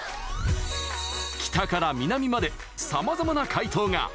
北から南まで、さまざまな回答が。